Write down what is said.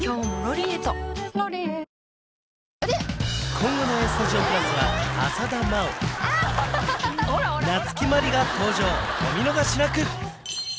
今後の「ＡＳＴＵＤＩＯ＋」は浅田真央夏木マリが登場お見逃しなく！